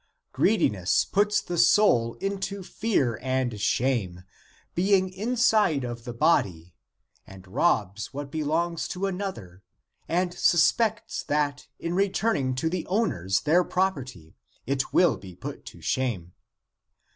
Greediness puts the soul into fear and shame, being [inside of the body, and] robs what belongs to an other, and suspects that in returning to the own ers their property, it will be put to shame.